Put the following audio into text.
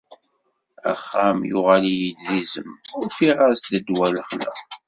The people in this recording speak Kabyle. Axxam yuɣal-iyi d izem; ufiɣ-as ddwa i lexla.